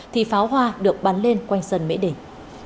thì pháo hoa được bắn lên quanh sân mỹ đình